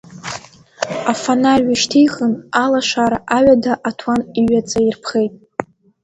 Афонар ҩышьҭихын, алашара аҩада аҭуан иҩаҵаирԥхеит.